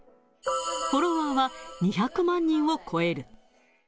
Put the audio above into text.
フォロワーは２００万人を超える。